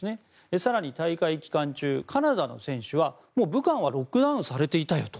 更に、大会期間中カナダの選手は武漢はロックダウンされていたよと。